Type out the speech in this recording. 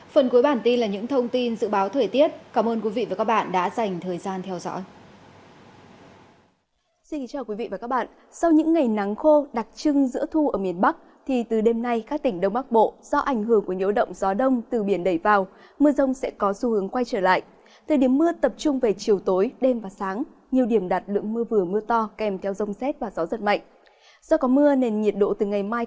phần cuối bản tin là những thông tin dự báo thời tiết cảm ơn quý vị và các bạn đã dành thời gian theo dõi